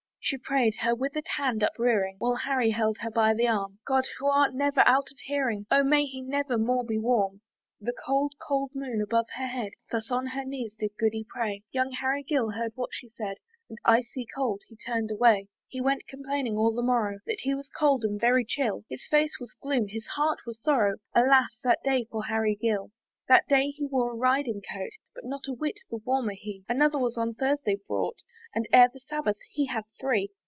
She pray'd, her wither'd hand uprearing, While Harry held her by the arm "God! who art never out of hearing, "O may he never more be warm!" The cold, cold moon above her head, Thus on her knees did Goody pray, Young Harry heard what she had said, And icy cold he turned away. He went complaining all the morrow That he was cold and very chill: His face was gloom, his heart was sorrow, Alas! that day for Harry Gill! That day he wore a riding coat, But not a whit the warmer he: Another was on Thursday brought, And ere the Sabbath he had three.